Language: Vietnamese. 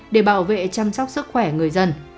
để bảo vệ chăm sóc sức khỏe người dân